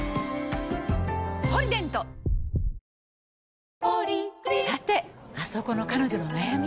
「ポリデント」「ポリグリップ」さてあそこの彼女の悩み。